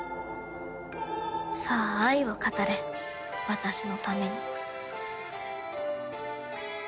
さあ愛を語れ私のために。